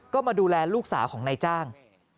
ก็มาดูแลลูกสาวของนายจ้าง